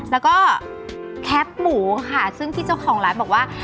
แล้วก็แคปหมูค่ะซึ่งที่เจ้าของร้านบอกว่า